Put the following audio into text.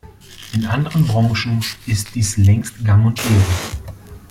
In anderen Branchen ist dies längst gang und gäbe.